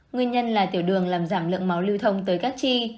nguyên nhân là tiểu đường làm giảm lượng máu lưu thông tới các chi